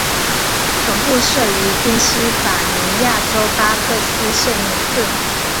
总部设于宾西法尼亚州巴克斯县纽顿。